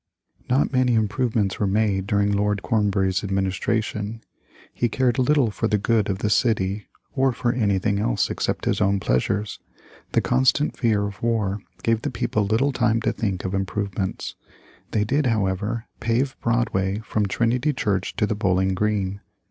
Not many improvements were made during Lord Cornbury's administration. He cared little for the good of the city or for anything else except his own pleasures. The constant fear of war gave the people little time to think of improvements. They did, however, pave Broadway from Trinity Church to the Bowling Green.